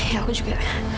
iya aku juga